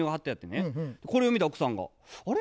これを見た奥さんが「あれ？